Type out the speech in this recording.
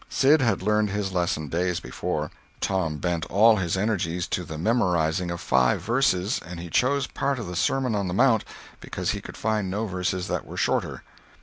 Sid had learned his lesson days before. Tom bent all his energies to the memorizing of five verses, and he chose part of the Sermon on the Mount, because he could find no verses that were shorter.